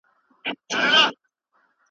که فني پوهه پراخه سي نو کارونه به اسانه سي.